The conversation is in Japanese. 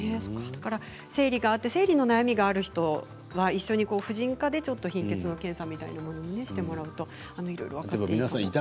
生理があって生理の悩みがある人は一緒に婦人科で貧血の検査みたいなものもしてもらうといろいろ分かっていいかもしれません。